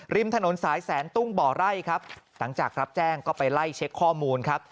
ริมถนนสายแสนตุ้งบ่อไร่ครับหลังจากรับแจ้งก็ไปไล่เช็คข้อมูลครับ